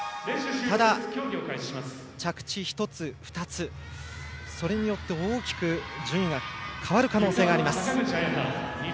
ただ、着地１つ２つそれによって大きく順位が変わる可能性があります。